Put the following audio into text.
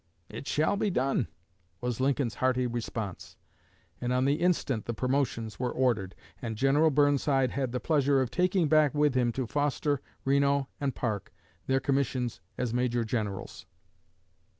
'It shall be done!' was Lincoln's hearty response, and on the instant the promotions were ordered, and General Burnside had the pleasure of taking back with him to Foster, Reno, and Parke their commissions as Major Generals."